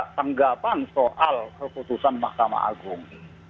tanggapan soal keputusan mahkamah agung